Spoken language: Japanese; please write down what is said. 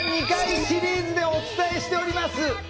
２回シリーズでお伝えしております